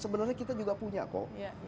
sebenarnya kita juga punya kok